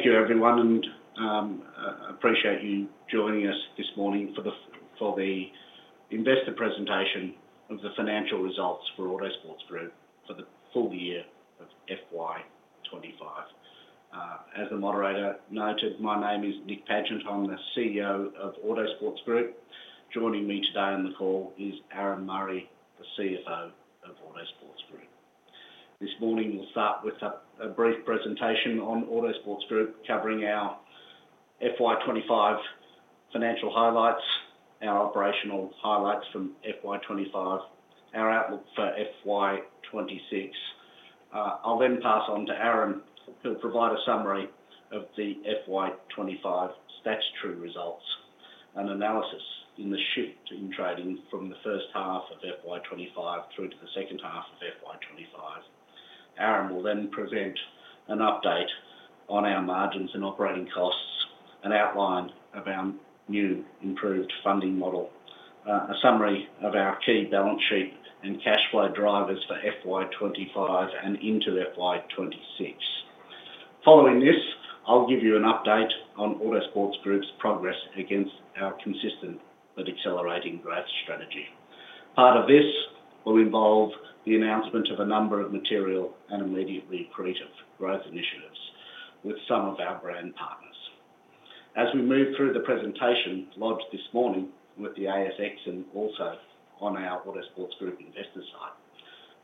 Thank you, everyone, and I appreciate you joining us this morning for the Investor Presentation of the Financial Results for Autosports Group for the Full Year of FY 2025. As the moderator noted, my name is Nick Pagent. I'm the CEO of Autosports Group. Joining me today on the call is Aaron Murray, the CFO of Autosports Group. This morning, we'll start with a brief presentation on Autosports Group, covering our FY 2025 financial highlights, our operational highlights from FY 2025, and our outlook for FY 2026. I'll then pass on to Aaron, who will provide a summary of the FY 2025 statutory results and analysis in the shift in trading from the first half of FY 2025 through to the second half of FY 2025. Aaron will then present an update on our margins and operating costs, an outline of our new improved funding model, and a summary of our key balance sheet and cash flow drivers for FY 2025 and into FY 2026. Following this, I'll give you an update on Autosports Group's progress against our consistent but accelerating growth strategy. Part of this will involve the announcement of a number of material and immediately accretive growth initiatives with some of our brand partners. As we move through the presentation lodged this morning with the ASX and also on our Autosports Group investor site,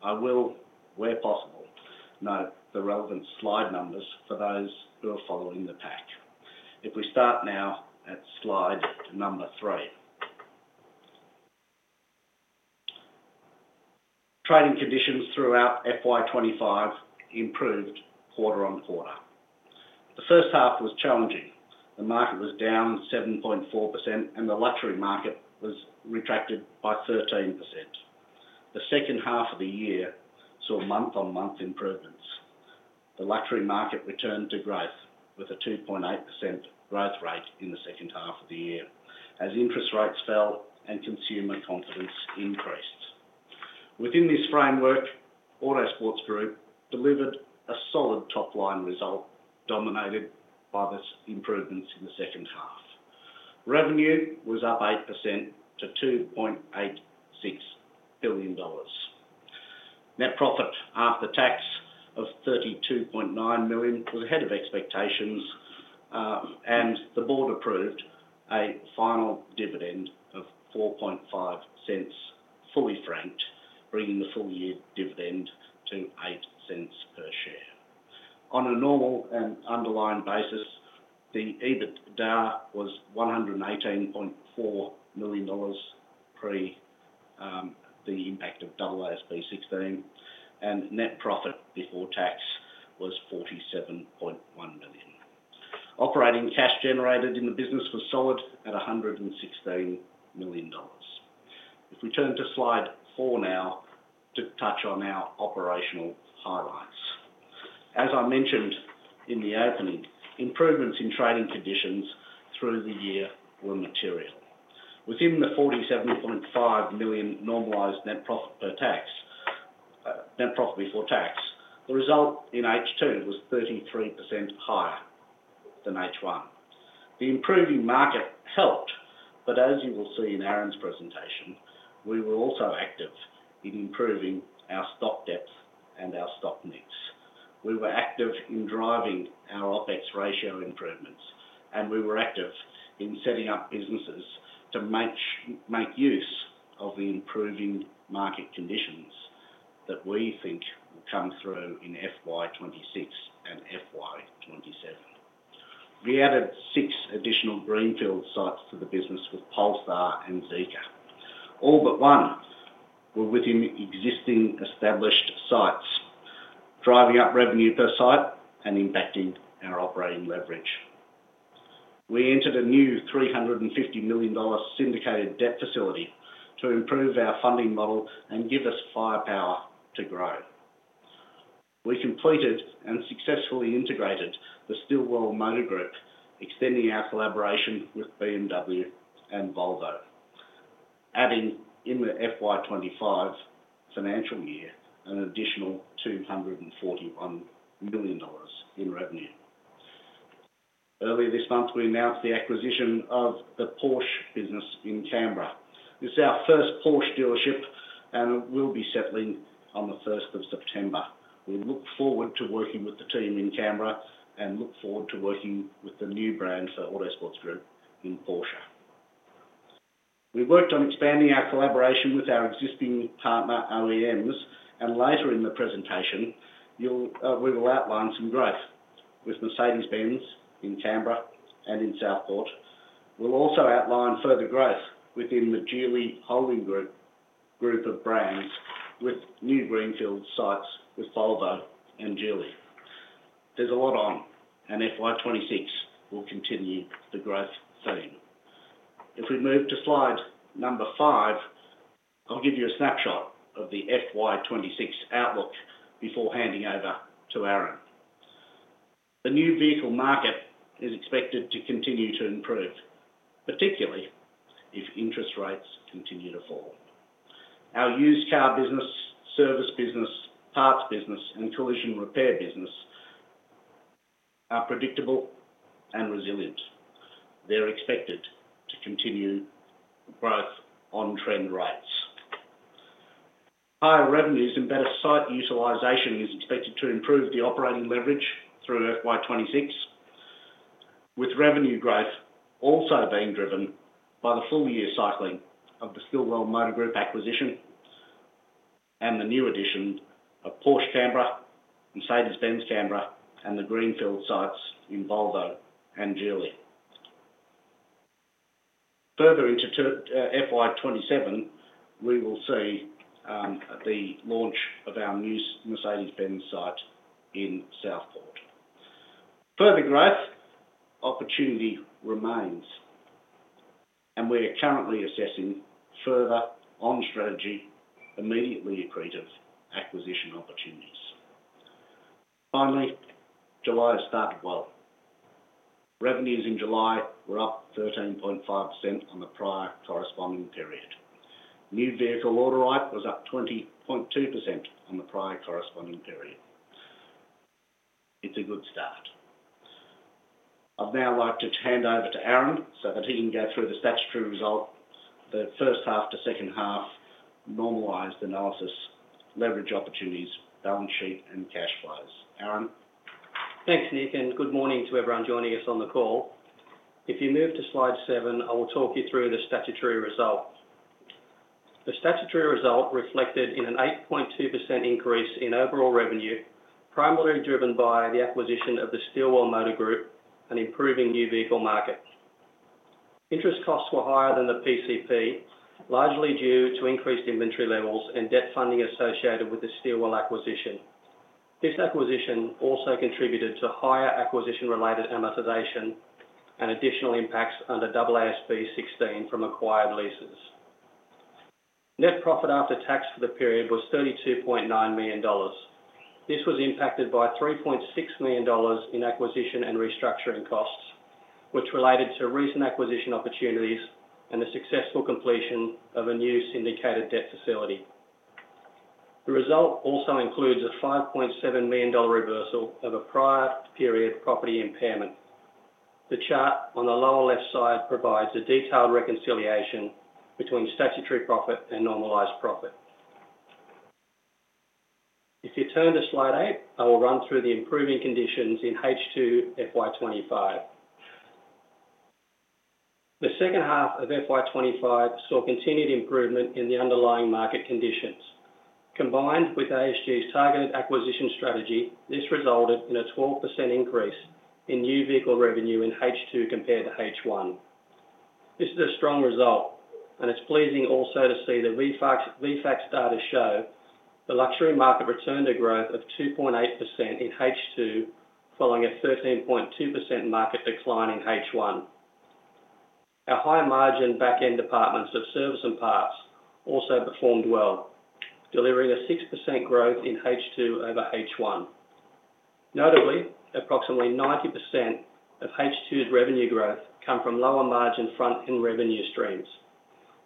I will, where possible, note the relevant slide numbers for those who are following the pack. If we start now at slide number three. Trading conditions throughout FY 2025 improved quarter-on-quarter. The first half was challenging. The market was down 7.4%, and the luxury market was retracted by 13%. The second half of the year saw month-on-month improvements. The luxury market returned to growth with a 2.8% growth rate in the second half of the year as interest rates fell and consumer confidence increased. Within this framework, Autosports Group delivered a solid top-line result dominated by these improvements in the second half. Revenue was up 8% to 2.86 billion dollars. Net profit after tax of 32.9 million was ahead of expectations, and the board approved a final dividend of 0.045, fully franked, bringing the full year dividend to 0.08 per share. On a normal and underlying basis, the EBITDA was 118.4 million dollars pre the impact of AASB 16, and net profit before tax was 47.1 million. Operating cash generated in the business was solid at 116 million dollars. If we turn to slide four now to touch on our operational highlights. As I mentioned in the opening, improvements in trading conditions through the year were material. Within the 47.5 million normalized net profit before tax, the result in H2 was 33% higher than H1. The improving market helped, but as you will see in Aaron's presentation, we were also active in improving our stock depth and our stock mix. We were active in driving our OpEx ratio improvements, and we were active in setting up businesses to make use of the improving market conditions that we think will come through in FY 2026 and FY 2027. We added six additional greenfield sites to the business with Polestar and Zeekr. All but one were within existing established sites, driving up revenue per site and impacting our operating leverage. We entered a new 350 million dollar syndicated debt facility to improve our funding model and give us firepower to grow. We completed and successfully integrated the Stilwell Motor Group, extending our collaboration with BMW and Volvo, adding in the FY 2025 financial year an additional 241 million dollars in revenue. Earlier this month, we announced the acquisition of the Porsche business in Canberra. This is our first Porsche dealership, and it will be settling on the 1st of September. We look forward to working with the team in Canberra and look forward to working with the new brand for Autosports Group in Porsche. We worked on expanding our collaboration with our existing partner OEMs, and later in the presentation, we will outline some growth with Mercedes-Benz in Canberra and in Southport. We'll also outline further growth within the Geely Holding Group group of brands with new greenfield sites with Volvo and Geely. There's a lot on, and FY 2026 will continue the growth theme. If we move to slide number five, I'll give you a snapshot of the FY 2026 outlook before handing over to Aaron. The new vehicle market is expected to continue to improve, particularly if interest rates continue to fall. Our used car business, service business, parts business, and collision repair business are predictable and resilient. They're expected to continue growth on trend rates. Higher revenues and better site utilization are expected to improve the operating leverage through FY 2026, with revenue growth also being driven by the full year cycling of the Stilwell Motor Group acquisition and the new addition of Porsche Canberra, Mercedes-Benz Canberra, and the greenfield sites in Volvo and Geely. Further into FY 2027, we will see the launch of our new Mercedes-Benz site in Southport. Further growth opportunity remains, and we are currently assessing further on strategy immediately accretive acquisition opportunities. Finally, July has started well. Revenues in July were up 13.5% on the prior corresponding period. New vehicle order rate was up 20.2% on the prior corresponding period. It's a good start. I'd now like to hand over to Aaron so that he can go through the statutory result, the first half to second half, normalised analysis, leverage opportunities, balance sheet, and cash flows. Aaron? Thanks, Nick, and good morning to everyone joining us on the call. If you move to slide seven, I will talk you through the statutory result. The statutory result reflected in an 8.2% increase in overall revenue, primarily driven by the acquisition of the Stilwell Motor Group and improving new vehicle market. Interest costs were higher than the PCP, largely due to increased inventory levels and debt funding associated with the Stilwell acquisition. This acquisition also contributed to higher acquisition-related amortization and additional impacts under AASB 16 from acquired leases. Net profit after tax for the period was 32.9 million dollars. This was impacted by 3.6 million dollars in acquisition and restructuring costs, which related to recent acquisition opportunities and the successful completion of a new syndicated debt facility. The result also includes a 5.7 million dollar reversal of a prior period property impairment. The chart on the lower left side provides a detailed reconciliation between statutory profit and normalised profit. If you turn to slide eight, I will run through the improving conditions in H2 FY 2025. The second half of FY 2025 saw continued improvement in the underlying market conditions. Combined with the H2's targeted acquisition strategy, this resulted in a 12% increase in new vehicle revenue in H2 compared to H1. This is a strong result, and it's pleasing also to see the VFACTS data show the luxury market returned a growth of 2.8% in H2, following a 13.2% market decline in H1. Our higher margin backend departments of service and parts also performed well, delivering a 6% growth in H2 over H1. Notably, approximately 90% of H2's revenue growth comes from lower margin front-end revenue streams.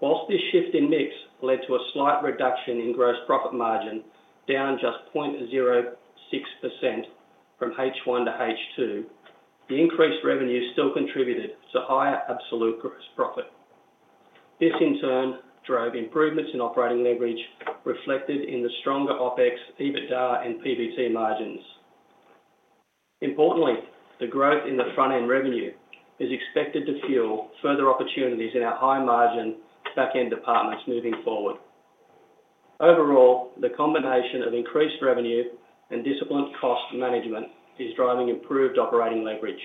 Whilst this shift in mix led to a slight reduction in gross profit margin, down just 0.06% from H1 to H2, the increased revenue still contributed to higher absolute gross profit. This, in turn, drove improvements in operating leverage reflected in the stronger OpEx, EBITDA, and PBT margins. Importantly, the growth in the front-end revenue is expected to fuel further opportunities in our high margin backend departments moving forward. Overall, the combination of increased revenue and disciplined cost management is driving improved operating leverage.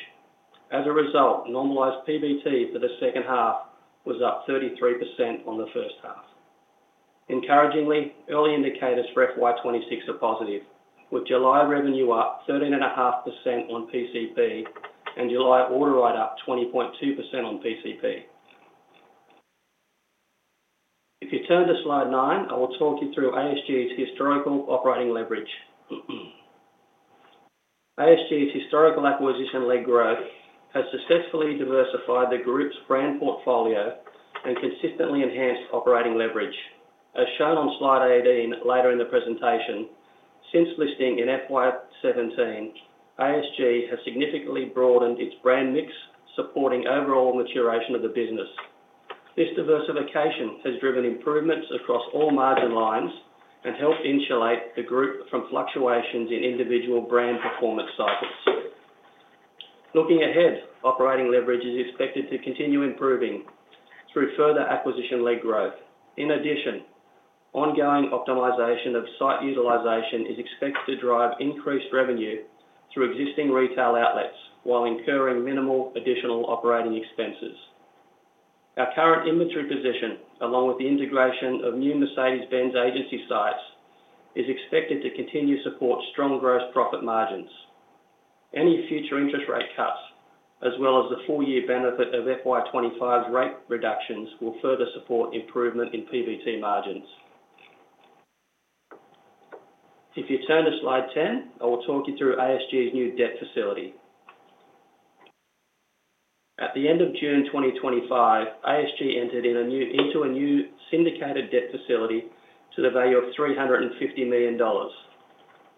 As a result, normalised PBT for the second half was up 33% on the first half. Encouragingly, early indicators for FY 2026 are positive, with July revenue up 13.5% on PCP and July order rate up 20.2% on PCP. If you turn to slide nine, I will talk you through ASG's historical operating leverage. ASG's historical acquisition-led growth has successfully diversified the group's brand portfolio and consistently enhanced operating leverage. As shown on slide 18 later in the presentation, since listing in FY 2017, ASG has significantly broadened its brand mix, supporting overall maturation of the business. This diversification has driven improvements across all margin lines and helped insulate the group from fluctuations in individual brand performance cycles. Looking ahead, operating leverage is expected to continue improving through further acquisition-led growth. In addition, ongoing optimization of site utilization is expected to drive increased revenue through existing retail outlets while incurring minimal additional operating expenses. Our current inventory position, along with the integration of new Mercedes-Benz agency sites, is expected to continue to support strong gross profit margins. Any future interest rate cuts, as well as the full year benefit of FY 2025's rate reductions, will further support improvement in PBT margins. If you turn to slide 10, I will talk you through ASG's new debt facility. At the end of June 2025, ASG entered into a new syndicated debt facility to the value of 350 million dollars.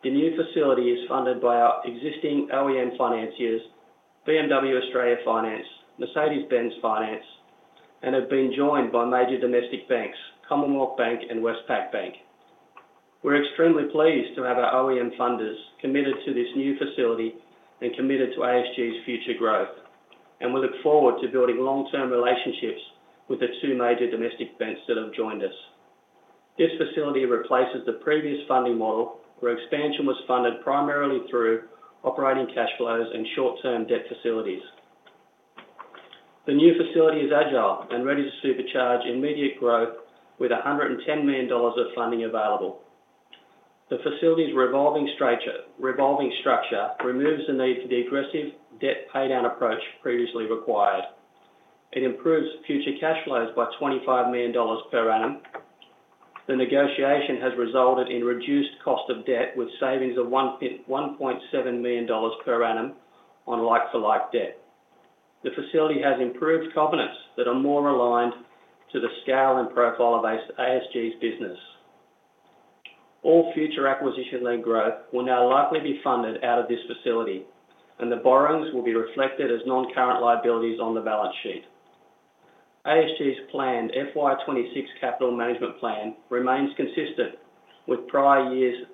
The new facility is funded by our existing OEM financiers, BMW Australia Finance, Mercedes-Benz Finance, and has been joined by major domestic banks, Commonwealth Bank and Westpac Bank. We're extremely pleased to have our OEM funders committed to this new facility and committed to ASG's future growth, and we look forward to building long-term relationships with the two major domestic banks that have joined us. This facility replaces the previous funding model where expansion was funded primarily through operating cash flows and short-term debt facilities. The new facility is agile and ready to supercharge immediate growth with 110 million dollars of funding available. The facility's revolving structure removes the need for the aggressive debt paydown approach previously required. It improves future cash flows by 25 million dollars per annum. The negotiation has resulted in reduced cost of debt with savings of 1.7 million dollars per annum on like-for-like debt. The facility has improved covenants that are more aligned to the scale and profile-based ASG's business. All future acquisition-led growth will now likely be funded out of this facility, and the borrowings will be reflected as non-current liabilities on the balance sheet. ASG's planned FY 2026 capital management plan remains consistent with prior years,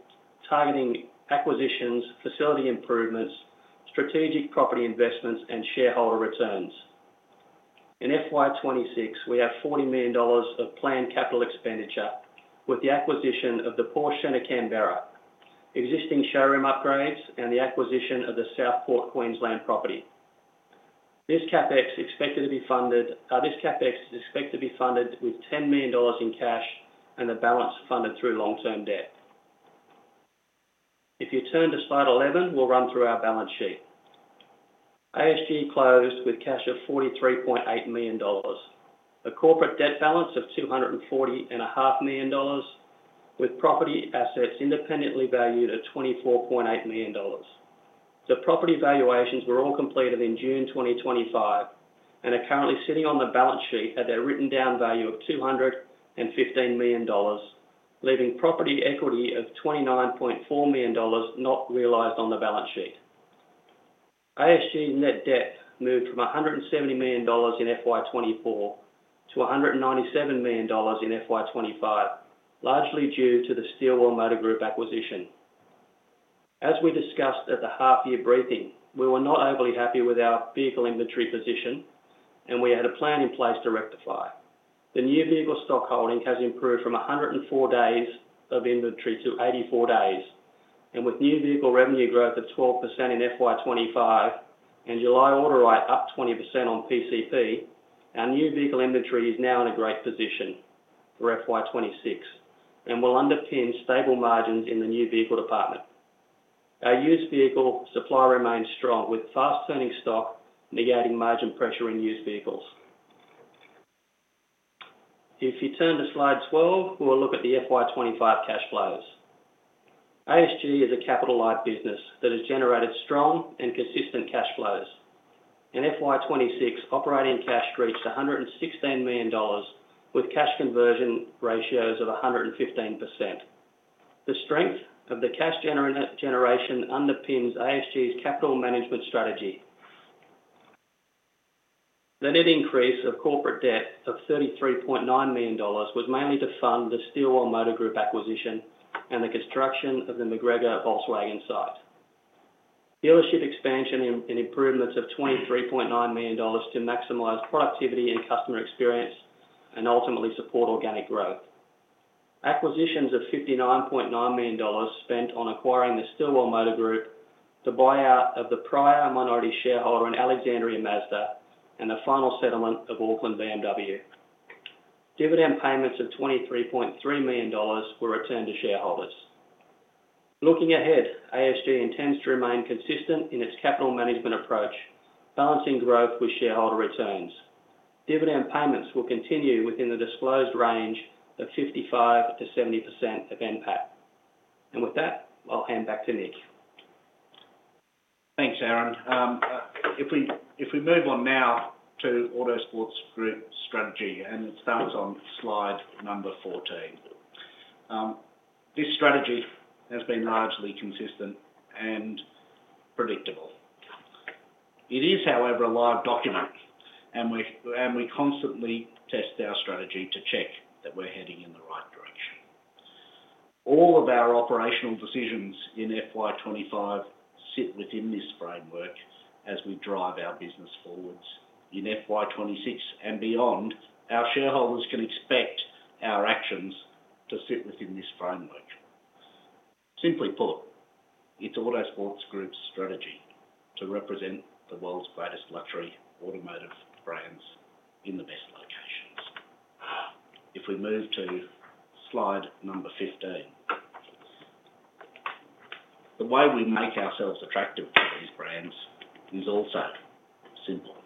targeting acquisitions, facility improvements, strategic property investments, and shareholder returns. In FY 2026, we have 40 million dollars of planned capital expenditure with the acquisition of the Porsche Centre Canberra, existing showroom upgrades, and the acquisition of the Southport Queensland property. This CapEx is expected to be funded with 10 million dollars in cash and the balance funded through long-term debt. If you turn to slide 11, we'll run through our balance sheet. ASG closed with cash of 43.8 million dollars, a corporate debt balance of 240.5 million dollars, with property assets independently valued at 24.8 million dollars. The property valuations were all completed in June 2025 and are currently sitting on the balance sheet at their written down value of 215 million dollars, leaving property equity of 29.4 million dollars not realized on the balance sheet. ASG's net debt moved from 170 million dollars in FY 2024 to 197 million dollars in FY 2025, largely due to the Stilwell Motor Group acquisition. As we discussed at the half-year briefing, we were not overly happy with our vehicle inventory position, and we had a plan in place to rectify. The new vehicle stock holding has improved from 104 days of inventory to 84 days, and with new vehicle revenue growth of 12% in FY 2025 and July order rate up 20% on PCP, our new vehicle inventory is now in a great position for FY 2026 and will underpin stable margins in the new vehicle department. Our used vehicle supply remains strong, with fast-turning stock negating margin pressure in used vehicles. If you turn to slide 12, we'll look at the FY 2025 cash flows. ASG is a capital-light business that has generated strong and consistent cash flows. In FY 2026, operating cash reached 116 million dollars, with cash conversion ratios of 115%. The strength of the cash generation underpins ASG's capital management strategy. The net increase of corporate debt of AUD 33.9 million was mainly to fund the Stilwell Motor Group acquisition and the construction of the Macgregor Volkswagen site. Dealership expansion and improvements of 23.9 million dollars to maximize productivity and customer experience and ultimately support organic growth. Acquisitions of 59.9 million dollars spent on acquiring the Stilwell Motor Group, the buyout of the prior minority shareholder in Alexandria Mazda, and the final settlement of Auckland BMW. Dividend payments of 23.3 million dollars were returned to shareholders. Looking ahead, ASG intends to remain consistent in its capital management approach, balancing growth with shareholder returns. Dividend payments will continue within the disclosed range of 55% -70% of NPAT. With that, I'll hand back to Nick. Thanks, Aaron. If we move on now to Autosports Group strategy, and it starts on slide number 14. This strategy has been largely consistent and predictable. It is, however, a live document, and we constantly test our strategy to check that we're heading in the right direction. All of our operational decisions in FY 2025 sit within this framework as we drive our business forwards. In FY 2026 and beyond, our shareholders can expect our actions to sit within this framework. Simply put, it's Autosports Group's strategy to represent the world's greatest luxury automotive brands in the best locations. If we move to slide number 15, the way we make ourselves attractive to these brands is all set simple.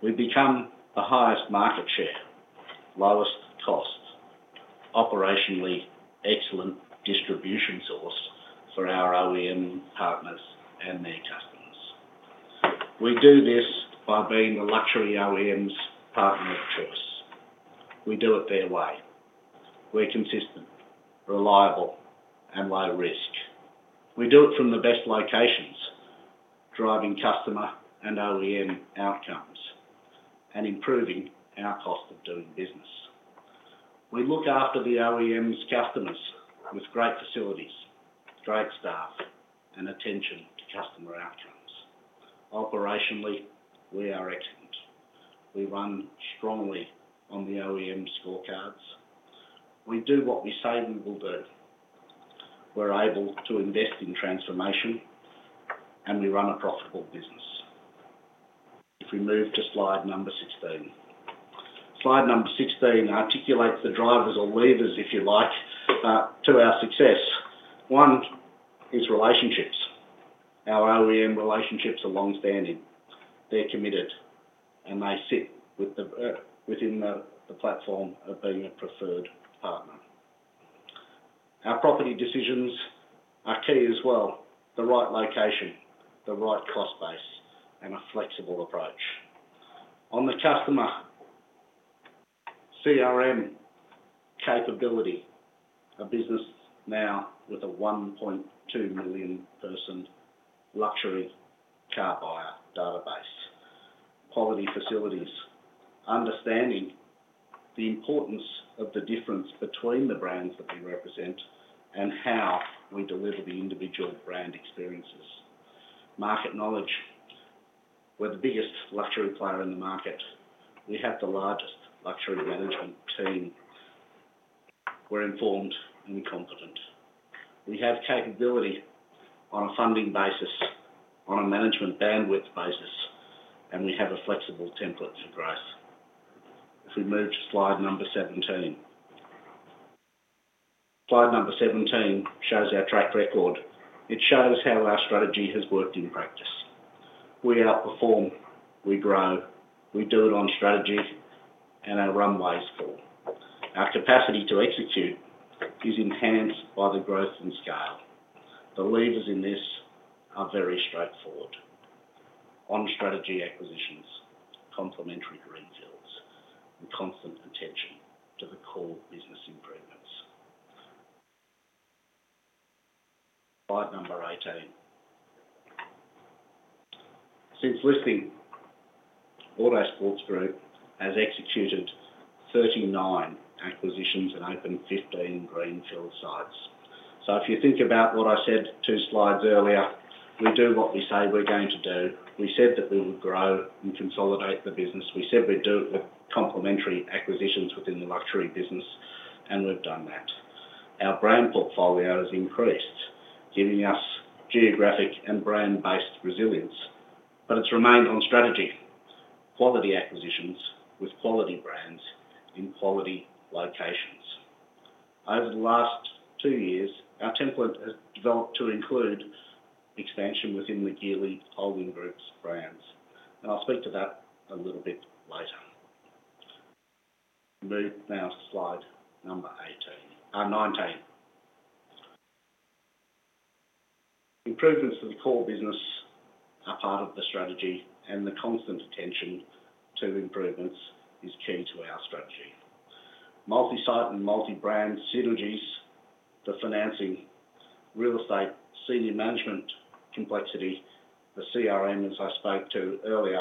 We become the highest market share, lowest cost, operationally excellent distribution source for our OEM partners and their customers. We do this by being the luxury OEM's partner of choice. We do it their way. We're consistent, reliable, and low risk. We do it from the best locations, driving customer and OEM outcomes and improving our cost of doing business. We look after the OEM's customers with great facilities, great staff, and attention to customer outcomes. Operationally, we are excellent. We run strongly on the OEM scorecards. We do what we say we will do. We're able to invest in transformation, and we run a profitable business. If we move to slide number 16, slide number 16 articulates the drivers or levers, if you like, to our success. One is relationships. Our OEM relationships are longstanding. They're committed, and they sit within the platform of being a preferred partner. Our property decisions are key as well. The right location, the right cost base, and a flexible approach. On the customer CRM capability, a business now with a 1.2 million person luxury car buyer database. Quality facilities, understanding the importance of the difference between the brands that we represent and how we deliver the individual brand experiences. Market knowledge, we're the biggest luxury player in the market. We have the largest luxury management team. We're informed and competent. We have capability on a funding basis, on a management bandwidth basis, and we have a flexible template to growth. If we move to slide number 17, slide number 17 shows our track record. It shows how our strategy has worked in practice. We outperform, we grow, we do it on strategy, and our runway is full. Our capacity to execute is enhanced by the growth and scale. The levers in this are very straightforward. On strategy acquisitions, complementary greenfields, and constant attention to the core business improvements. Slide number 18. Since listing, Autosports Group has executed 39 acquisitions and opened 15 greenfield sites. If you think about what I said two slides earlier, we do what we say we're going to do. We said that we would grow and consolidate the business. We said we'd do complementary acquisitions within the luxury business, and we've done that. Our brand portfolio has increased, giving us geographic and brand-based resilience, but it's remained on strategy. Quality acquisitions with quality brands in quality locations. Over the last two years, our template has developed to include expansion within the Geely Holding Group's brands, and I'll speak to that a little bit later. Move now to slide number 19. Improvements to the core business are part of the strategy, and the constant attention to improvements is key to our strategy. Multi-site and multi-brand synergies, the financing, real estate, senior management complexity, the CRM, as I spoke to earlier,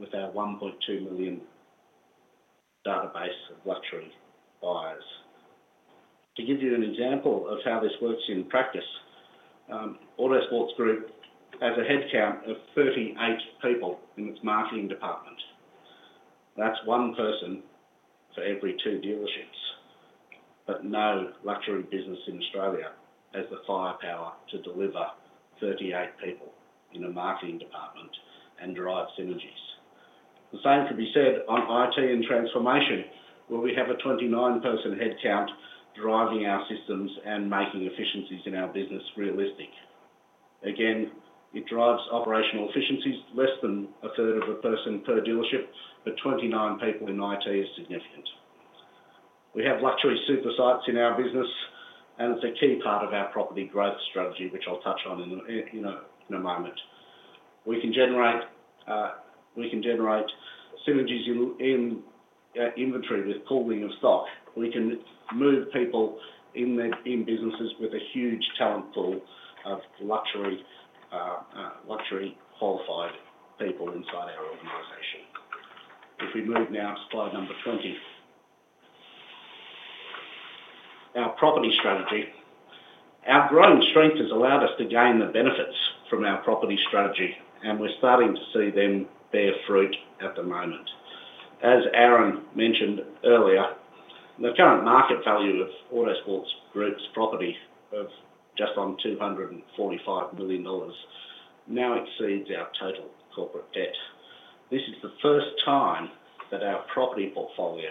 with our 1.2 million database of luxury buyers. To give you an example of how this works in practice, Autosports Group has a headcount of 38 people in its marketing department. That's one person for every two dealerships, but no luxury business in Australia has the firepower to deliver 38 people in a marketing department and drive synergies. The same could be said on IT and transformation, where we have a 29 person headcount driving our systems and making efficiencies in our business realistic. Again, it drives operational efficiencies less than a third of a person per dealership, but 29 people in IT is significant. We have luxury super sites in our business, and it's a key part of our property growth strategy, which I'll touch on in a moment. We can generate synergies in inventory with pooling of stock. We can move people in businesses with a huge talent pool of luxury qualified people inside our organization. If we move now to slide number 20, our property strategy, our growing strength has allowed us to gain the benefits from our property strategy, and we're starting to see them bear fruit at the moment. As Aaron mentioned earlier, the current market value of Autosports Group's property of just under 245 million dollars now exceeds our total corporate debt. This is the first time that our property portfolio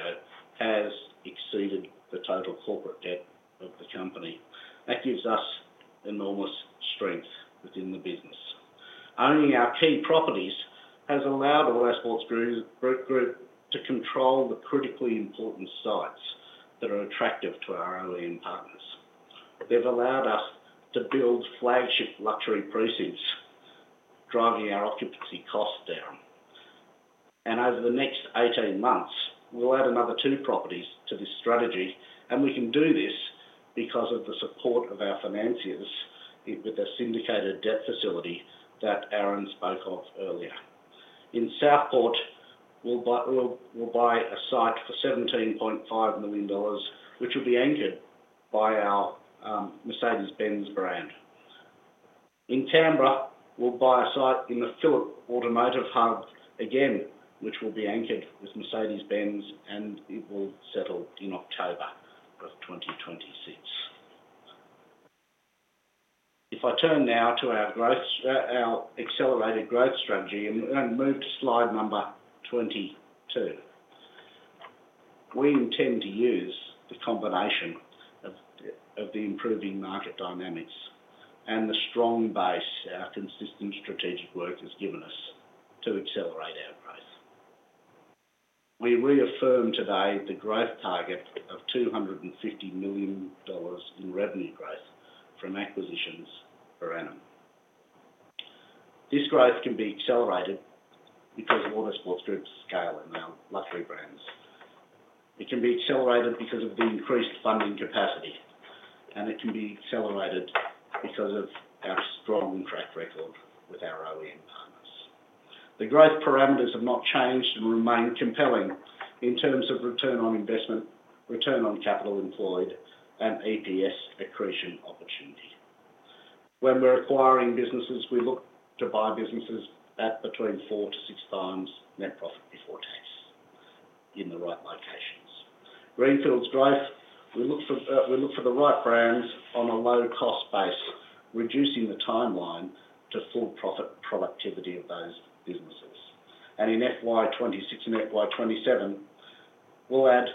has exceeded the total corporate debt of the company. That gives us enormous strength within the business. Owning our key properties has allowed Autosports Group to control the critically important sites that are attractive to our OEM partners. They have allowed us to build flagship luxury precincts driving our occupancy cost down. Over the next 18 months, we will add another two properties to this strategy, and we can do this because of the support of our financiers with the syndicated debt facility that Aaron spoke of earlier. In Southport, we will buy a site for 17.5 million dollars, which will be anchored by our Mercedes-Benz brand. In Canberra, we will buy a site in the Phillip Automotive Hub again, which will be anchored with Mercedes-Benz, and it will settle in October of 2026. If I turn now to our accelerated growth strategy and move to slide number 22, we intend to use the combination of the improving market dynamics and the strong base our consistent strategic work has given us to accelerate our growth. We reaffirm today the growth target of 250 million dollars in revenue growth from acquisitions per annum. This growth can be accelerated because of Autosports Group's scale in our luxury brands. It can be accelerated because of the increased funding capacity, and it can be accelerated because of our strong track record with our OEM partners. The growth parameters have not changed and remain compelling in terms of return on investment, return on capital employed, and EPS accretion opportunity. When we are acquiring businesses, we look to buy businesses at between four to six times net profit before tax in the right locations. For greenfields growth, we look for the right brands on a low-cost basis, reducing the timeline to full profit productivity of those businesses. In FY 2026 and FY 2027, we will add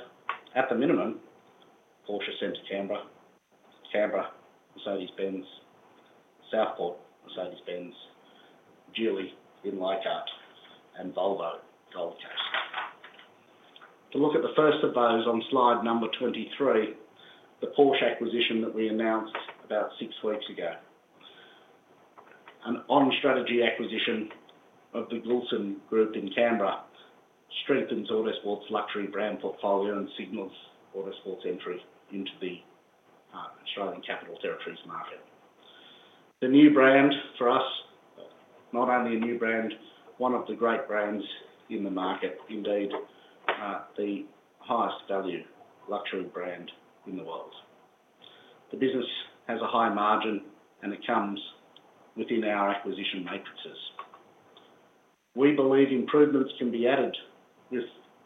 at the minimum Porsche Centre Canberra, Canberra Mercedes-Benz, Southport Mercedes-Benz, Geely Leichhardt, and Volvo Gold Coast. To look at the first of those on slide number 23, the Porsche acquisition that we announced about six weeks ago. An on-strategy acquisition of the Gulson Group in Canberra strengthens Autosports luxury brand portfolio and signals Autosports entry into the Australian Capital Territory market. The new brand for us, not only a new brand, one of the great brands in the market, indeed, the highest value luxury brand in the world. The business has a high margin, and it comes within our acquisition matrices. We believe improvements can be added with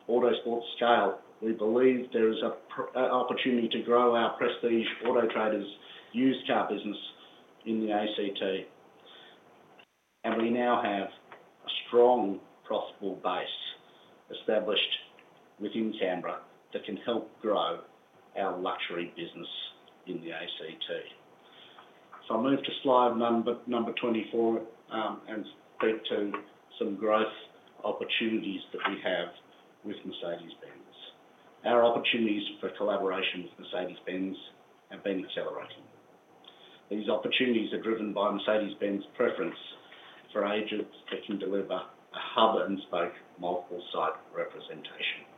Autosports scale. We believe there is an opportunity to grow our prestige auto traders' used car business in the ACT, and we now have a strong profitable base established within Canberra that can help grow our luxury business in the ACT. I'll move to slide number 24 and speak to some growth opportunities that we have with Mercedes-Benz. Our opportunities for collaboration with Mercedes-Benz have been accelerating. These opportunities are driven by Mercedes-Benz's preference for agents that can deliver a hub and spoke multiple site representation,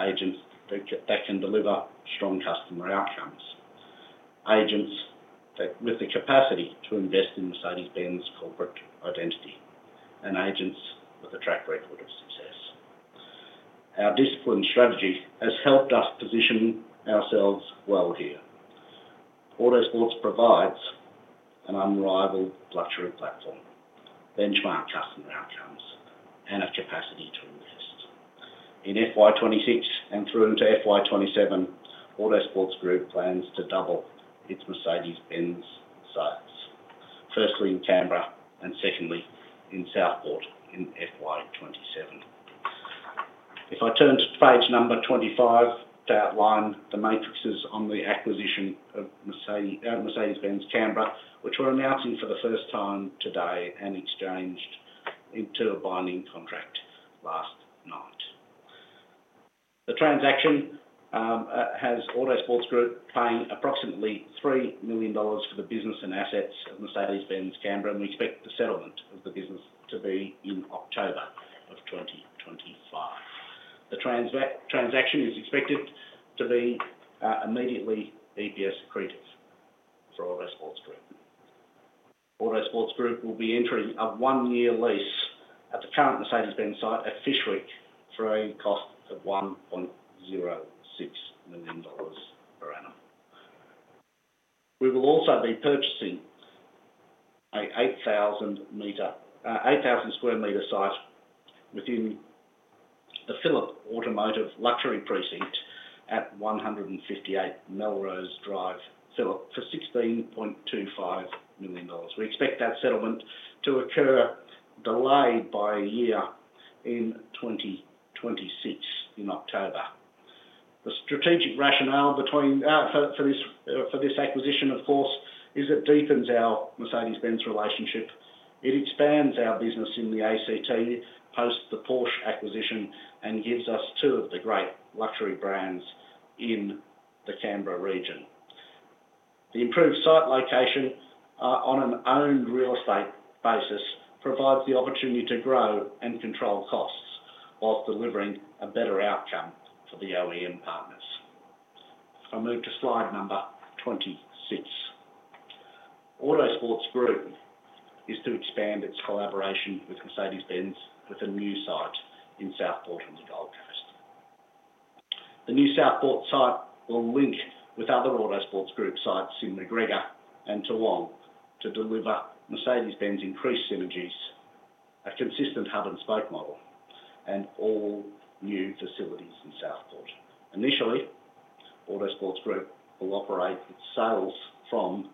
agents that can deliver strong customer outcomes, agents with the capacity to invest in Mercedes-Benz corporate identity, and agents with a track record of success. Our disciplined strategy has helped us position ourselves well here. Autosports provides an unrivaled luxury platform, benchmark customer outcomes, and a capacity to invest. In FY 2026 and through to FY 2027, Autosports Group plans to double its Mercedes-Benz sites, firstly in Canberra and secondly in Southport in FY 2027. If I turn to page number 25 to outline the matrices on the acquisition of Mercedes-Benz Canberra, which we're announcing for the first time today and exchanged into a binding contract last night. The transaction has Autosports Group paying approximately 3 million dollars for the business and assets of Mercedes-Benz Canberra, and we expect the settlement of the business to be in October of 2025. The transaction is expected to be immediately EPS accretive for Autosports Group. Autosports Group will be entering a one-year lease at the current Mercedes-Benz site at Fyshwick for a cost of 1.06 million dollars per annum. We will also be purchasing an 8,000 sq m site within the Phillip Automotive luxury precinct at 158 Melrose Drive, Phillip, for 16.25 million dollars. We expect that settlement to occur delayed by a year in 2026 in October. The strategic rationale for this acquisition, of course, is it deepens our Mercedes-Benz relationship. It expands our business in the ACT post the Porsche acquisition and gives us two of the great luxury brands in the Canberra region. The improved site location on an owned real estate basis provides the opportunity to grow and control costs while delivering a better outcome for the OEM partners. I'll move to slide number 26. Autosports Group is to expand its collaboration with Mercedes-Benz with a new site in Southport on the Gold Coast. The new Southport site will link with other Autosports Group sites in Macgregor and Toowong to deliver Mercedes-Benz increased synergies, a consistent hub and spoke model, and all new facilities in Southport. Initially, Autosports Group will operate its sales from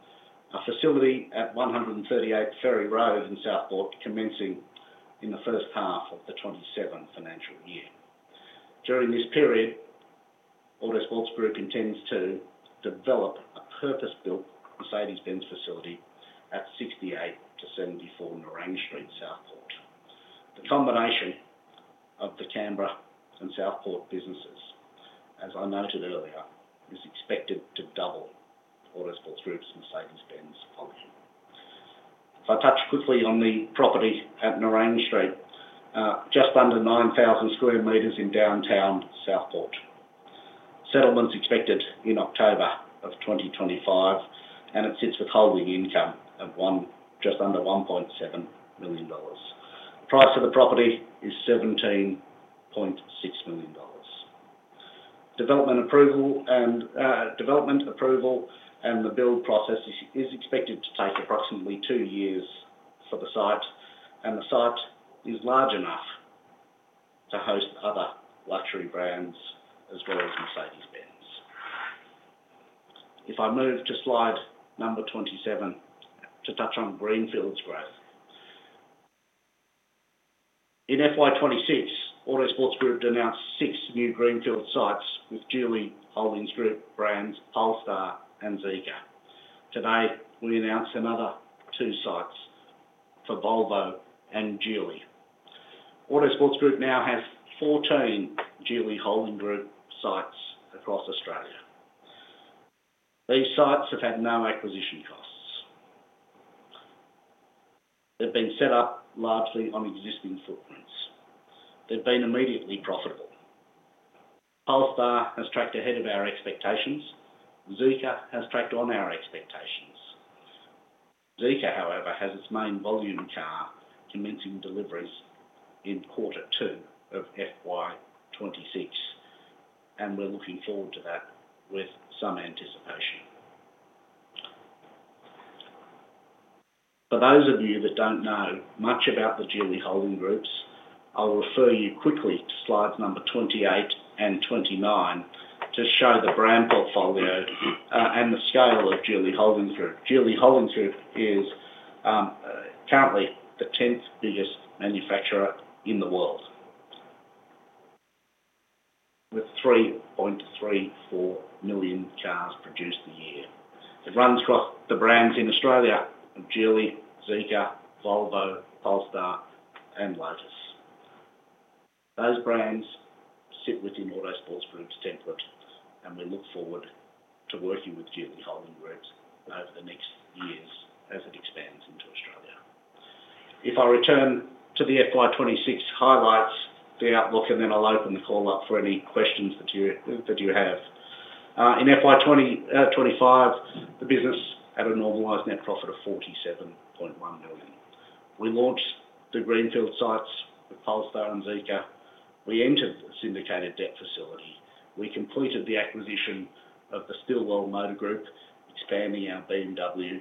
a facility at 138 Ferry Road in Southport, commencing in the first half of the 2027 financial year. During this period, Autosports Group intends to develop a purpose-built Mercedes-Benz facility at 68–74 Nerang Street, Southport. The combination of the Canberra and Southport businesses, as I noted earlier, is expected to double Autosports Group's Mercedes-Benz volume. If I touch quickly on the property at Narang Street, just under 9,000 sq m in downtown Southport. Settlement's expected in October of 2025, and it sits with holding income of just under 1.7 million dollars. Price of the property is 17.6 million dollars. Development approval and development and the build process is expected to take approximately two years for the site, and the site is large enough to host other luxury brands as well as Mercedes-Benz. If I move to slide number 27 to touch on greenfields growth. In FY 2026, Autosports Group announced six new greenfield sites with Geely Holding Group brands Polestar and Zeekr. Today, we announce another two sites for Volvo and Geely. Autosports Group now has 14 Geely Holding Group sites across Australia. These sites have had no acquisition costs. They've been set up largely on existing footprints. They've been immediately profitable. Polestar has tracked ahead of our expectations. Zeekr has tracked on our expectations. Zeekr, however, has its main volume car commencing deliveries in quarter two of FY 2026, and we're looking forward to that with some anticipation. For those of you that don't know much about the Geely Holding Group, I'll refer you quickly to slides number 28 and 29 to show the brand portfolio and the scale of Geely Holding Group. Geely Holding Group is currently the 10th biggest manufacturer in the world with 3.34 million cars produced a year. It runs across the brands in Australia: Geely, Zeekr, Volvo, Polestar, and Lotus. Those brands sit within Autosports Group's template, and we look forward to working with Geely Holding Group over the next years as it expands into Australia. If I return to the FY 2026 highlights, the outlook, and then I'll open the call up for any questions that you have. In FY 2025, the business had a normalised net profit of 47.1 million. We launched the greenfield sites with Polestar and Zeekr. We entered a syndicated debt facility. We completed the acquisition of the Stilwell Motor Group, expanding our BMW,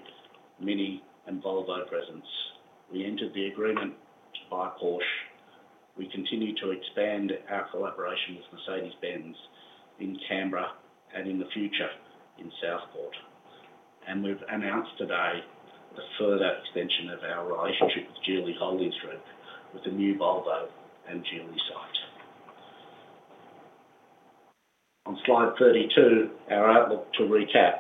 MINI, and Volvo presence. We entered the agreement to buy Porsche. We continue to expand our collaboration with Mercedes-Benz in Canberra and in the future in Southport. We've announced today the further extension of our relationship with Geely Holding Group with the new Volvo and Geely site. On slide 32, our outlook to recap,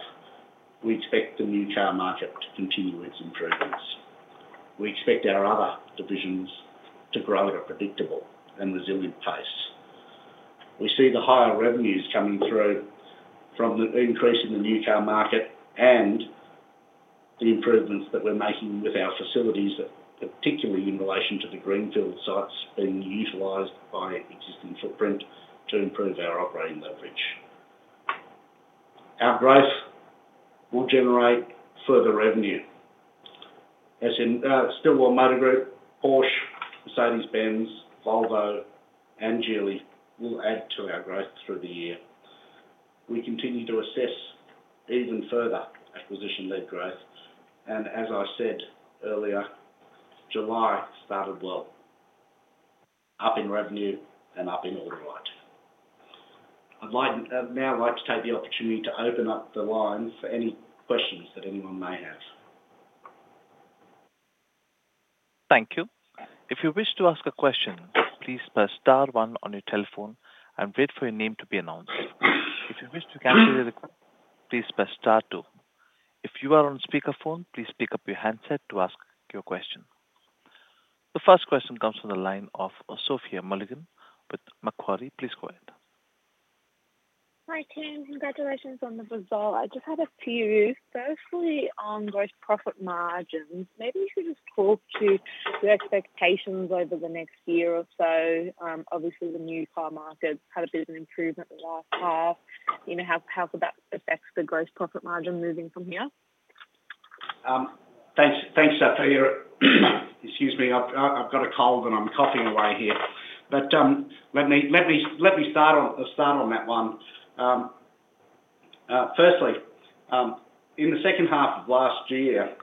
we expect the new car market to continue its improvements. We expect our other divisions to grow at a predictable and resilient pace. We see the higher revenues coming through from the increase in the new car market and the improvements that we're making with our facilities, particularly in relation to the greenfield sites being utilised by existing footprint to improve our operating leverage. Our growth will generate further revenue, as in Stilwell Motor Group, Porsche, Mercedes-Benz, Volvo, and Geely will add to our growth through the year. We continue to assess even further acquisition-led growth. As I said earlier, July started well, up in revenue and up in order rate. I'd now like to take the opportunity to open up the lines for any questions that anyone may have. Thank you. If you wish to ask a question, please press star one on your telephone and wait for your name to be announced. If you wish to answer the question, please press star two. If you are on speakerphone, please pick up your handset to ask your question. The first question comes from the line of Sophia Mulligan with Macquarie. Please go ahead. Hi, team. Congratulations on the result. I just had a few. Firstly, on gross profit margins, maybe you could just talk to your expectations over the next year or so. Obviously, the new car market had a bit of an improvement in the last half. You know, how could that affect the gross profit margin moving from here? Thanks, Sophia. Excuse me, I've got a cold and I'm coughing away here. Let me start on that one. Firstly, in the second half of last year,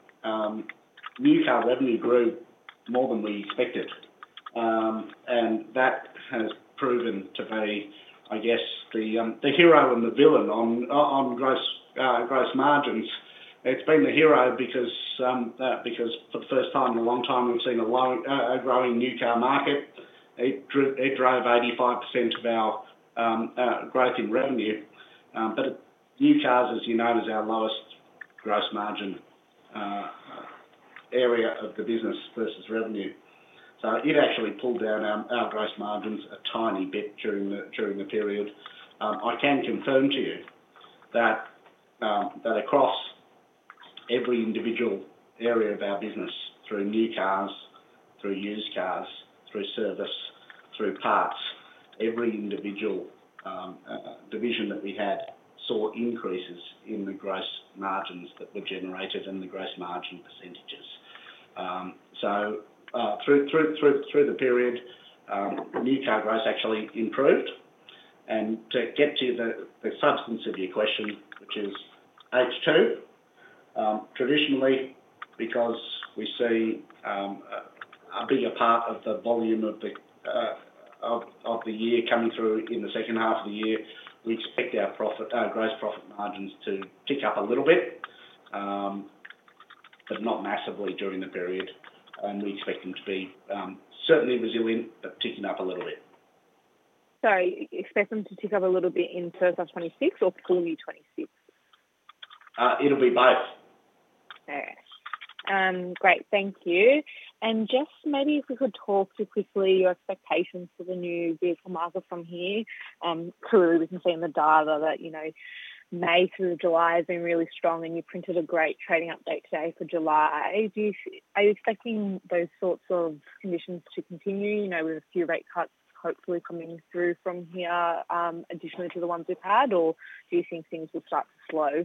new car revenue grew more than we expected. That has proven to be, I guess, the hero and the villain on gross margins. It's been the hero because, for the first time in a long time, we've seen a growing new car market. It drove 85% of our growth in revenue. New cars, as you know, is our lowest gross margin area of the business versus revenue. It actually pulled down our gross margins a tiny bit during the period. I can confirm to you that across every individual area of our business, through new cars, through used cars, through service, through parts, every individual division that we had saw increases in the gross margins that were generated and the gross margin percentages. Through the period, new car growth actually improved. To get to the substance of your question, which is H2, traditionally, because we see a bigger part of the volume of the year coming through in the second half of the year, we expect our gross profit margins to tick up a little bit, but not massively during the period. We expect them to be certainly resilient, but ticking up a little bit. Sorry, expect them to tick up a little bit in terms of 2026 or the full year 2026? It'll be both. Okay. Great. Thank you. Maybe if we could talk to your expectations for the new vehicle market from here. Clearly, we can see in the data that May through July have been really strong, and you printed a great trading update today for July. Do you think you are expecting those sorts of conditions to continue, with a few rate cuts hopefully coming through from here additionally to the ones we've had, or do you think things would start to slow?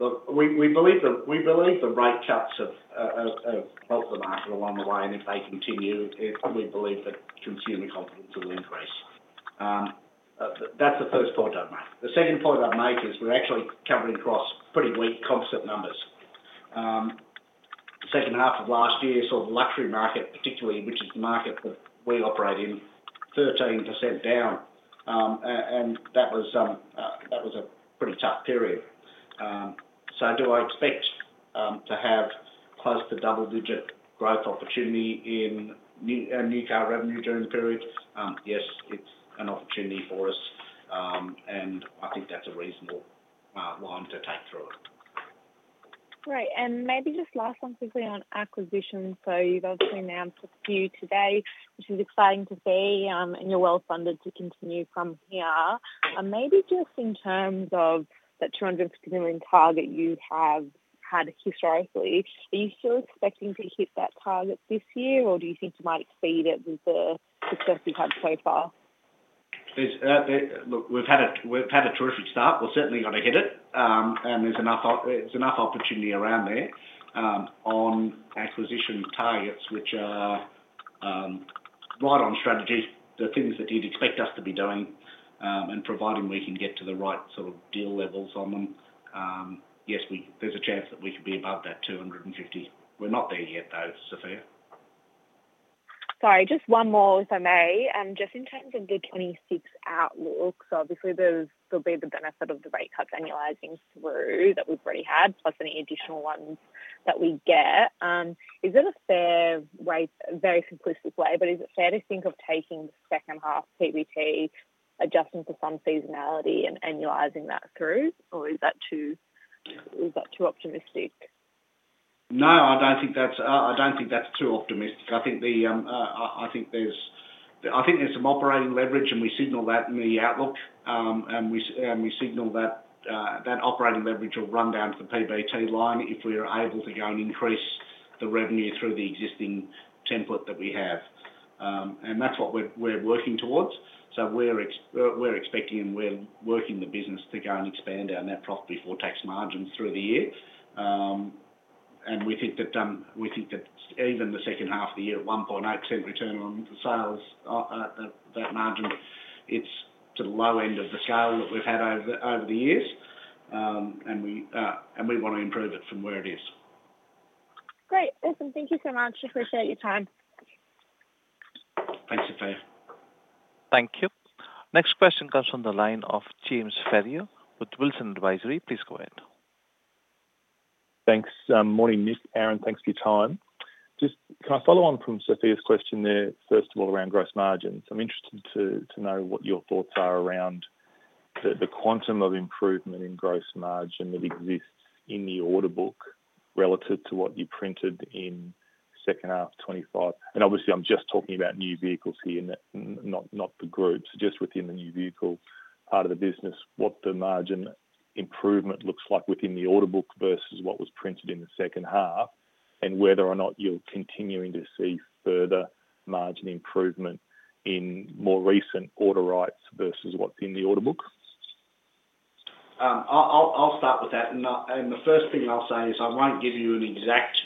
We believe the rate cuts have helped the market along the way, and if they continue, we believe that consumer confidence will increase. That's the first point I'd make. The second point I'd make is we're actually coming across pretty weak concept numbers. The second half of last year saw the luxury market, particularly, which is the market that we operate in, 13% down. That was a pretty tough period. Do I expect to have close to double-digit growth opportunity in new car revenue during the period? Yes, it's an opportunity for us. I think that's a reasonable line to take through it. Right. Maybe just last one quickly on acquisitions. You've obviously announced what's due today, which is exciting to see, and you're well-funded to continue from here. Maybe just in terms of that 250 million target you have had historically, are you still expecting to hit that target this year, or do you think you might exceed it with the success you've had so far? Look, we've had a terrific start. We've certainly got to hit it. There's enough opportunity around there on acquisition targets, which are right on strategy, the things that you'd expect us to be doing, and providing we can get to the right sort of deal levels on them, yes, there's a chance that we could be above that 250 million. We're not there yet, though, Sophia. Sorry, just one more, if I may. Just in terms of the 2026 outlook, obviously, there'll be the benefit of the rate cuts annualizing through that we've already had, plus any additional ones that we get. Is it a fair way, a very simplistic way, but is it fair to think of taking the second half PBT, adjusting for some seasonality and annualizing that through, or is that too optimistic? No, I don't think that's too optimistic. I think there's some operating leverage, and we signal that in the outlook. We signal that operating leverage will run down to the PBT line if we are able to go and increase the revenue through the existing template that we have. That's what we're working towards. We're expecting and we're working the business to go and expand our net profit before tax margins through the year. We think that even the second half of the year, at 1.8% return on the sales at that margin, it's to the low end of the scale that we've had over the years. We want to improve it from where it is. Great. Awesome. Thank you so much. Appreciate your time. Thanks, Sophia. Thank you. Next question comes from the line of James Ferrier with Wilsons Advisory. Please go ahead. Thanks. Morning, Nick, Aaron. Thanks for your time. Can I follow on from Sophia's question there, first of all, around gross margins? I'm interested to know what your thoughts are around the quantum of improvement in gross margin that exists in the order book relative to what you printed in the second half 2025. I'm just talking about new vehicles here, not the group. Just within the new vehicle part of the business, what the margin improvement looks like within the order book versus what was printed in the second half, and whether or not you're continuing to see further margin improvement in more recent order rights versus what's in the order book? I'll start with that. The first thing I'll say is I won't give you an exact of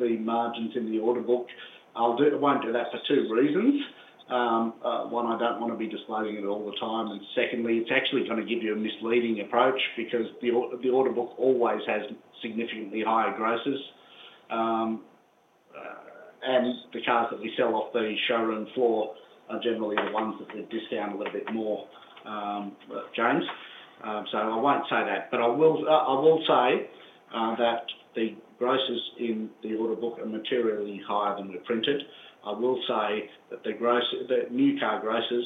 the margins in the order book. I won't do that for two reasons. One, I don't want to be disclosing it all the time. Secondly, it's actually going to give you a misleading approach because the order book always has significantly higher grosses. The cars that we sell off the showroom floor are generally the ones that they're discounted a little bit more, James. I won't say that. I will say that the grosses in the order book are materially higher than we printed. I will say that the new car grosses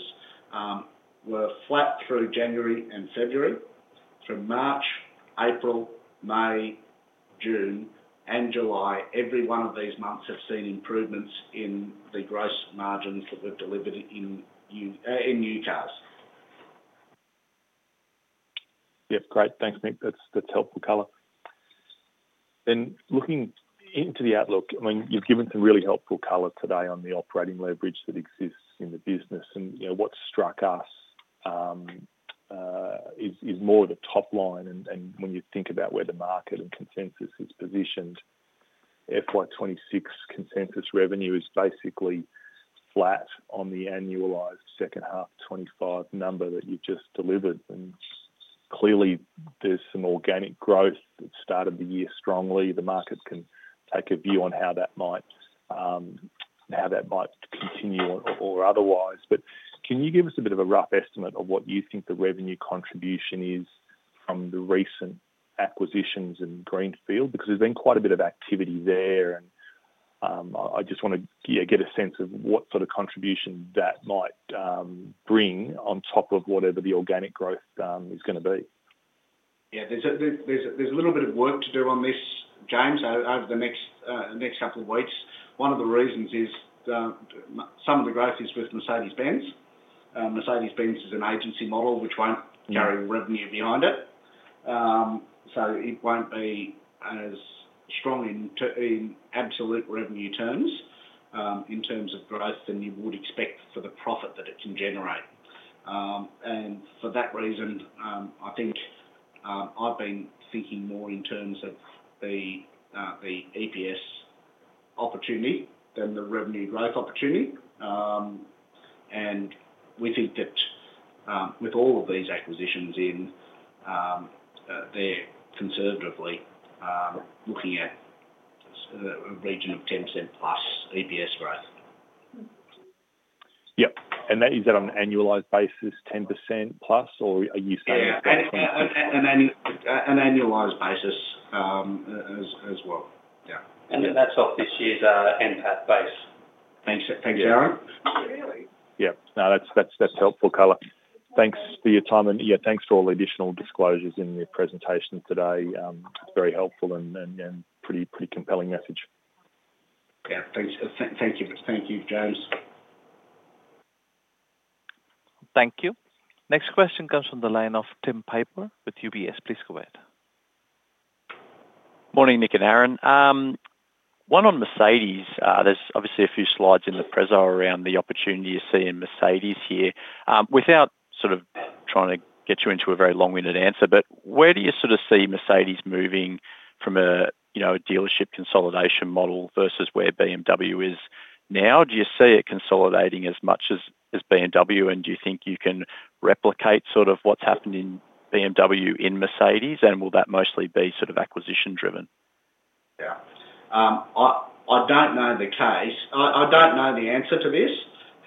were flat through January and February. Through March, April, May, June, and July, every one of these months has seen improvements in the gross margins that were delivered in new cars. Yep. Great. Thanks, Nick. That's helpful color. Looking into the outlook, you've given some really helpful color today on the operating leverage that exists in the business. You know what struck us is more of the top line. When you think about where the market and consensus is positioned, FY 2026 consensus revenue is basically flat on the annualized second half 2025 number that you've just delivered. Clearly, there's some organic growth that started the year strongly. The market can take a view on how that might continue or otherwise. Can you give us a bit of a rough estimate of what you think the revenue contribution is from the recent acquisitions and greenfield? There's been quite a bit of activity there. I just want to get a sense of what sort of contribution that might bring on top of whatever the organic growth is going to be. Yeah, there's a little bit of work to do on this, James, over the next couple of weeks. One of the reasons is some of the growth is with Mercedes-Benz. Mercedes-Benz is an agency model, which won't carry revenue behind it. It won't be as strong in absolute revenue terms in terms of growth than you would expect for the profit that it can generate. For that reason, I think I've been thinking more in terms of the EPS opportunity than the revenue growth opportunity. We think that with all of these acquisitions in, they're conservatively looking at a region of 10%+ EPS growth. Yep, you said on an annualized basis, 10%+, or are you saying? Yeah, on an annualized basis as well. Yeah, and that's off this year's NPAT base. Thanks, Aaron. Yeah, no, that's helpful color. Thanks for your time. Yeah, thanks for all the additional disclosures in your presentation today. Very helpful and pretty compelling message. Yeah, thanks. Thank you. Thank you, James. Thank you. Next question comes from the line of Tim Piper with UBS. Please go ahead. Morning, Nick and Aaron. One on Mercedes. There's obviously a few slides in the presentation around the opportunity you see in Mercedes here. Without trying to get you into a very long-winded answer, where do you see Mercedes moving from a dealership consolidation model versus where BMW is now? Do you see it consolidating as much as BMW, and do you think you can replicate what's happened in BMW in Mercedes, and will that mostly be acquisition-driven? I don't know the case. I don't know the answer to this.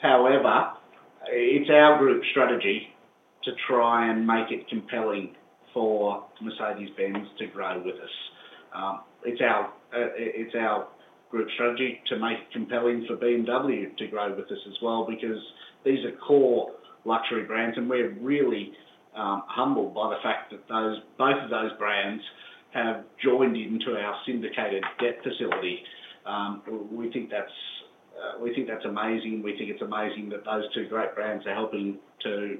However, it's our group strategy to try and make it compelling for Mercedes-Benz to grow with us. It's our group strategy to make it compelling for BMW to grow with us as well because these are core luxury brands, and we're really humbled by the fact that both of those brands have joined into our syndicated debt facility. We think that's amazing. We think it's amazing that those two great brands are helping to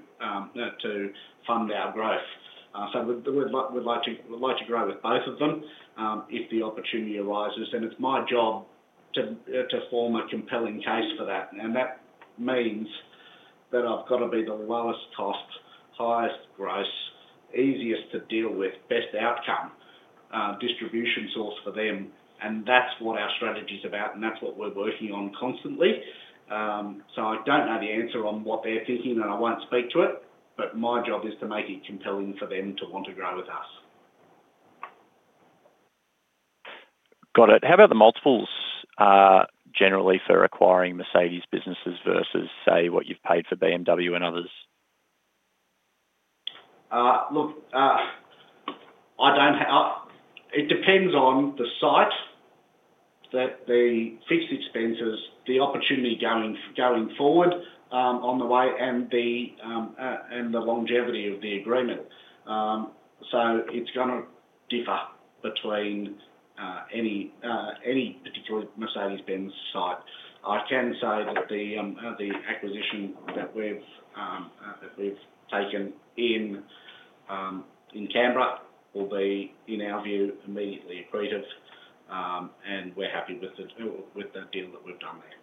fund our growth. We'd like to grow with both of them if the opportunity arises. It's my job to form a compelling case for that. That means that I've got to be the lowest cost, highest gross, easiest to deal with, best outcome distribution source for them. That's what our strategy is about, and that's what we're working on constantly. I don't know the answer on what they're thinking, and I won't speak to it, but my job is to make it compelling for them to want to grow with us. Got it. How about the multiples generally for acquiring Mercedes businesses versus, say, what you've paid for BMW and others? Look, it depends on the site, the fixed expenses, the opportunity going forward on the way, and the longevity of the agreement. It's going to differ between any particular Mercedes-Benz site. I can say that the acquisition that we've taken in Canberra will be, in our view, immediately accretive, and we're happy with the deal that we've done there.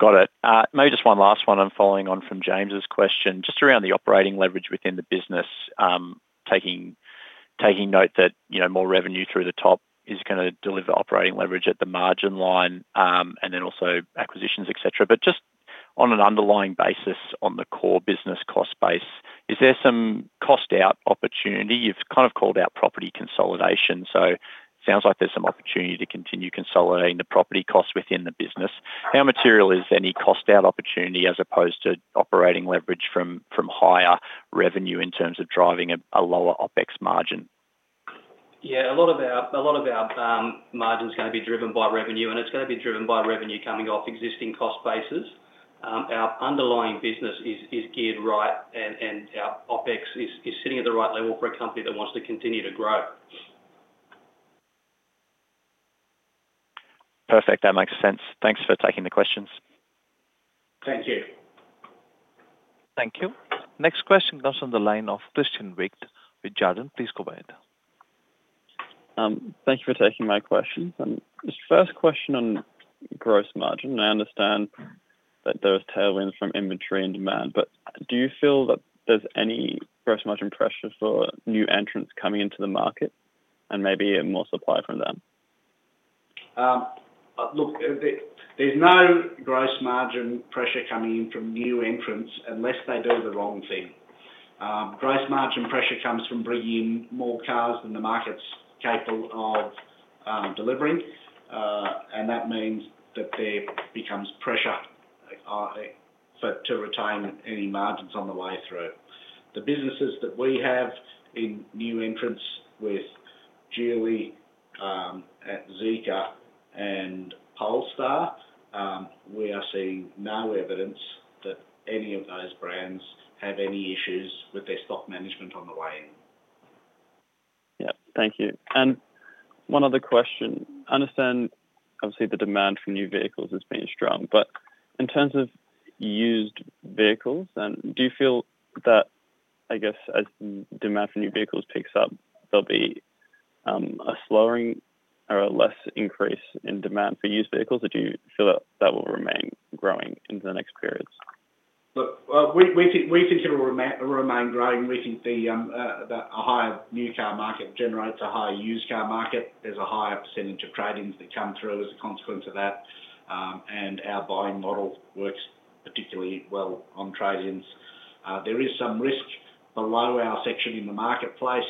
Got it. Maybe just one last one. I'm following on from James's question, just around the operating leverage within the business, taking note that more revenue through the top is going to deliver operating leverage at the margin line, and then also acquisitions, et cetera. Just on an underlying basis on the core business cost base, is there some cost-out opportunity? You've kind of called out property consolidation. It sounds like there's some opportunity to continue consolidating the property costs within the business. How material is any cost-out opportunity as opposed to operating leverage from higher revenue in terms of driving a lower OpEx margin? Yeah, a lot of our margin is going to be driven by revenue, and it's going to be driven by revenue coming off existing cost bases. Our underlying business is geared right, and our OpEx is sitting at the right level for a company that wants to continue to grow. Perfect. That makes sense. Thanks for taking the questions. Thank you. Thank you. Next question comes from the line of Christian Waked with Jarden. Please go ahead. Thank you for taking my questions. This first question on gross margin, I understand that there was tailwinds from inventory and demand, but do you feel that there's any gross margin pressure for new entrants coming into the market and maybe more supply from them? Look, there's no gross margin pressure coming in from new entrants unless they do the wrong thing. Gross margin pressure comes from bringing in more cars than the market's capable of delivering. That means that there becomes pressure to retain any margins on the way through. The businesses that we have in new entrants with Geely, Zeekr, and Polestar, we are seeing no evidence that any of those brands have any issues with their stock management on the way in. Thank you. One other question. I understand, obviously, the demand for new vehicles is being strong, but in terms of used vehicles, do you feel that, I guess, as the demand for new vehicles picks up, there'll be a slowing or a less increase in demand for used vehicles, or do you feel that that will remain growing in the next periods? We think it'll remain growing. We think that a higher new car market generates a higher used car market. There's a higher percentage of trade-ins that come through as a consequence of that. Our buying model works particularly well on trade-ins. There is some risk below our section in the marketplace,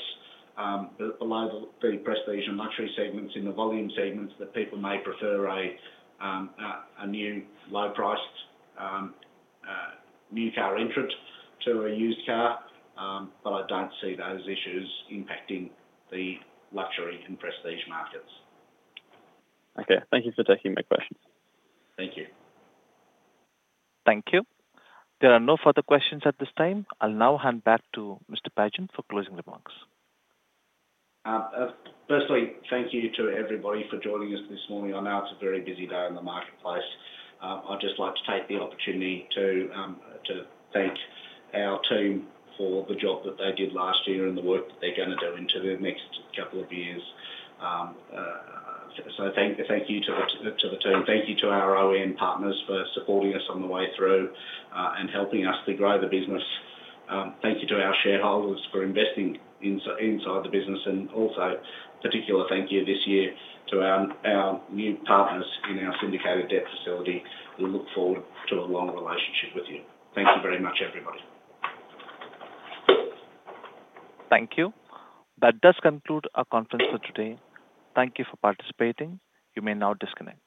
below the prestige and luxury segments in the volume segments that people may prefer a new low-priced new car entrant to a used car. I don't see those issues impacting the luxury and prestige markets. Okay, thank you for taking my questions. Thank you. Thank you. There are no further questions at this time. I'll now hand back to Mr. Pagent for closing remarks. Firstly, thank you to everybody for joining us this morning. I know it's a very busy day in the marketplace. I'd just like to take the opportunity to thank our team for the job that they did last year and the work that they're going to do into the next couple of years. Thank you to the team. Thank you to our OEM partners for supporting us on the way through and helping us to grow the business. Thank you to our shareholders for investing inside the business. Also, a particular thank you this year to our new partners in our syndicated debt facility. We look forward to a long relationship with you. Thank you very much, everybody. Thank you. That does conclude our conference for today. Thank you for participating. You may now disconnect.